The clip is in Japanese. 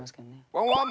ワンワン！